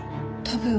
多分。